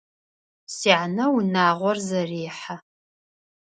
Сянэ унагъор зэрехьэ.